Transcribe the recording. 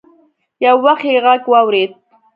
يو وخت يې غږ واورېد.